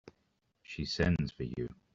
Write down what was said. She sends for you.